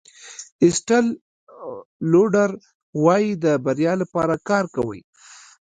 ایسټل لوډر وایي د بریا لپاره کار کوئ.